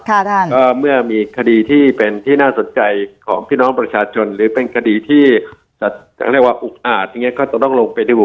ก็เมื่อมีคดีที่เป็นที่น่าสนใจของพี่น้องประชาชนหรือเป็นคดีที่จะเรียกว่าอุกอาจอย่างเงี้ก็จะต้องลงไปดู